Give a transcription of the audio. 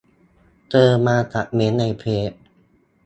เจอมาจากเมนต์ในเฟซ